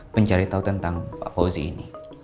mencari tahu tentang pak fauzi ini